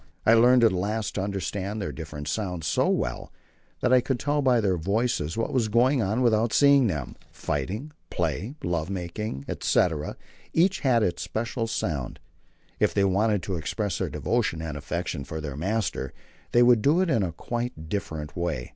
I learned at last to understand their different sounds so well that I could tell by their voices what was going on without seeing them. Fighting, play, love making, etc., each had its special sound. If they wanted to express their devotion and affection for their master, they would do it in a quite different way.